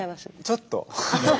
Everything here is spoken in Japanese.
ちょっと。